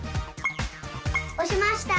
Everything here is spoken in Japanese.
おしました！